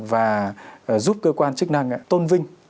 và giúp cơ quan chức năng tôn vinh